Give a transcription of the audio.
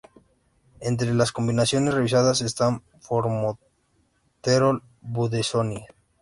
Entre las combinaciones revisadas están formoterol-budesonida.